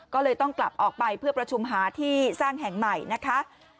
ก็เลยต้องกลับออกไปเพื่อประชุมหาที่สร้างแห่งใหม่นะคะ